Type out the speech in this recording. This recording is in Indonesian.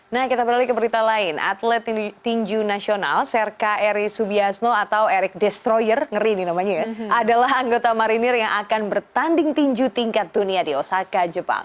nah kita beralih ke berita lain atlet tinju nasional serka eri subiasno atau eric destroyer ngeri ini namanya ya adalah anggota marinir yang akan bertanding tinju tingkat dunia di osaka jepang